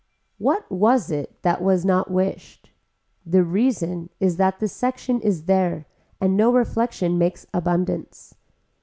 What was it that was not wished. The reason is that the section is there and no reflection makes abundance.